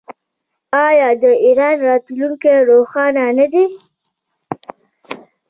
آیا د ایران راتلونکی روښانه نه دی؟